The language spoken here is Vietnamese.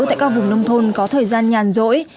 tại các vùng nông thôn có thời gian nhàn rỗi